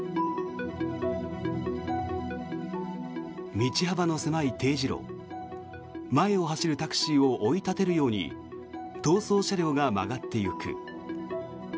道幅の狭い丁字路前を走るタクシーを追い立てるように逃走車両が曲がっていく。